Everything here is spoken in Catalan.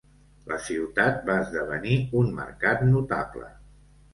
La ciutat va esdevenir un mercat notable.